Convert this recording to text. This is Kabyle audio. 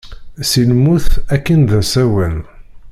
Si lmut akin d asawen.